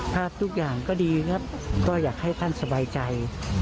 ภาพทุกอย่างก็ดีครับก็อยากให้ท่านสบายใจ